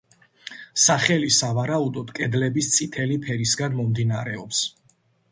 სახელი სავარაუდოდ კედლების წითელი ფერისგან მომდინარეობს.